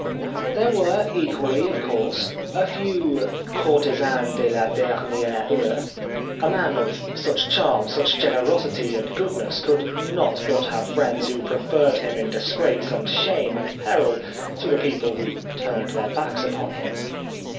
There were, equally, of course, a few courtisans de la dernier e heure. A man of such charm, such generosity and goodness could not but have friends who preferred him in disgrace and shame and peril to the people who turned their backs upon him.